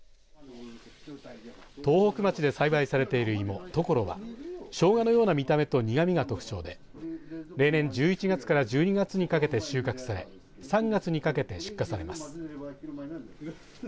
東北町で栽培されている芋野老はショウガのような見た目と苦味が特徴で例年１１月から１２月にかけて収穫され３月にかけて出荷されます。